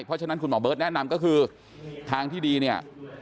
เพราะฉะนั้นคุณหมอเบิร์ตแนะนำก็คือทางที่ดีเนี่ย